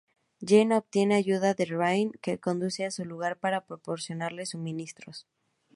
Jenny obtiene ayuda de Ryan, que conduce a su lugar para proporcionarle suministros.